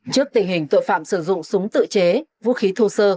trước tình hình tội phạm sử dụng súng tự chế vũ khí thô sơ